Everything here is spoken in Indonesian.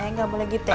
eh gak boleh gitu ya